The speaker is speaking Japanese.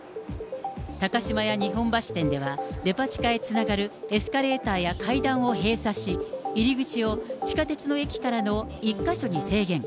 高島屋日本橋店では、デパ地下へつながるエスカレーターや階段を閉鎖し、入り口を地下鉄の駅からの１か所に制限。